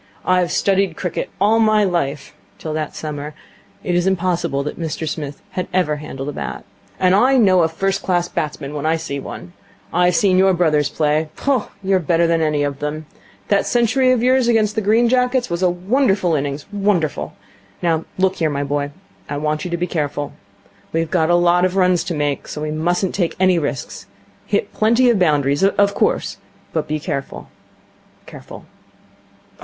I have studied cricket all my life' till that summer it is improbable that Mr Smith had ever handled a bat 'and I know a first class batsman when I see one. I've seen your brothers play. Pooh, you're better than any of them. That century of yours against the Green Jackets was a wonderful innings, wonderful. Now look here, my boy. I want you to be careful. We've a lot of runs to make, so we mustn't take any risks. Hit plenty of boundaries, of course, but be careful. Careful.